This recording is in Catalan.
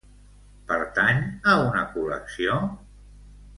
Pertany a una col·lecció?